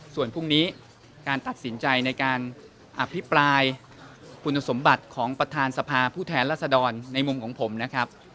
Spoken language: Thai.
ส่วนพรุ่งนี้การตัดสินใจในการอภิปรายคุณสมบัติของประธานสภาผู้แทนรัศดรในมุมของผมนะครับ